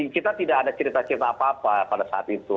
kita tidak ada cerita cerita apa apa pada saat itu